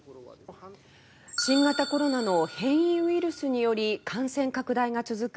新型コロナの変異ウイルスにより感染拡大が続く